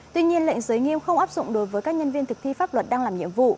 tuy nhiên lệnh giới nghiêm không áp dụng đối với các nhân viên thực thi pháp luật đang làm nhiệm vụ